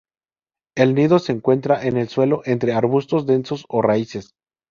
El nido se encuentra en el suelo entre arbustos densos o raíces.